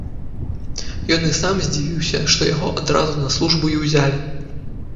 Ён і сам здзівіўся, што яго адразу на службу і ўзялі.